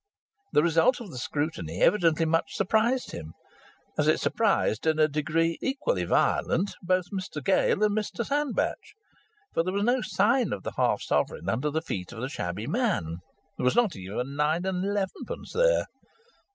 The result of the scrutiny evidently much surprised him, as it surprised, in a degree equally violent, both Mr Gale and Mr Sandbach. For there was no sign of half a sovereign under the feet of the shabby man. There was not even nine and elevenpence there.